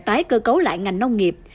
tái cơ cấu lại ngành nông nghiệp